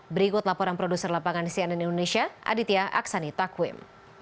berikut laporan produser lapangan cnn indonesia aditya aksani takwim